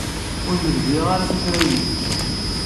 Ur negzi ara tuttra-nnek.